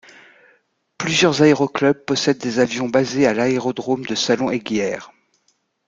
Plusieurs aéroclubs possèdent des avions basés à l'aérodrome de Salon - Eyguières.